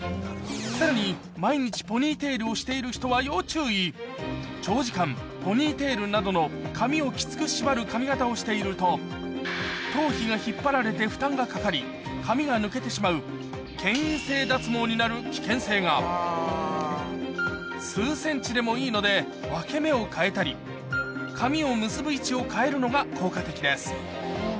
さらに長時間ポニーテールなどの髪をきつく縛る髪形をしていると頭皮が引っ張られて負担がかかり髪が抜けてしまうけん引性脱毛になる危険性が数ｃｍでもいいので分け目を変えたり髪を結ぶ位置を変えるのが効果的です